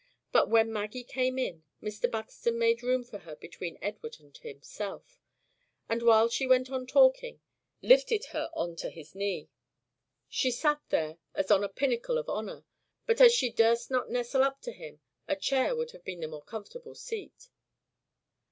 But when Maggie came in, Mr. Buxton made room for her between Edward and himself, and, while she went on talking, lifted her on to his knee. She sat there as on a pinnacle of honor; but as she durst not nestle up to him, a chair would have been the more comfortable seat.